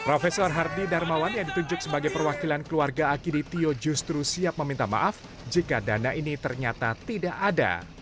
profesor hardy darmawan yang ditunjuk sebagai perwakilan keluarga akidi tio justru siap meminta maaf jika dana ini ternyata tidak ada